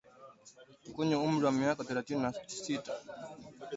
mwenye umri wa miaka thelathini na tisa